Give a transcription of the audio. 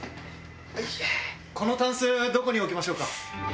このタンスどこに置きましょうか？